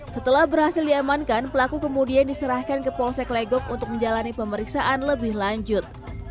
setelah berhasil diamankan pelaku kemudian diserahkan ke polsek legok untuk menjalani pemeriksaan lebih lanjut